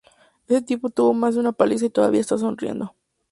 Ese tipo tuvo más de una paliza y todavía está sonriendo.